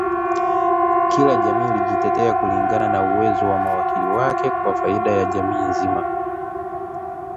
Kila jamii ilijitetea kulingana na uwezo wa mawakili wake kwa faida ya jamii nzima